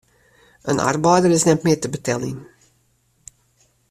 In arbeider is net mear te beteljen.